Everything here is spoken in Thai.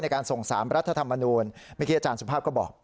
การส่ง๓รัฐธรรมนูลเมื่อกี้อาจารย์สุภาพก็บอก